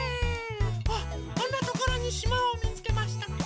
あっあんなところにしまをみつけました。